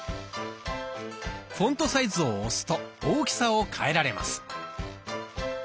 「フォントサイズ」を押すと大きさを変えられます。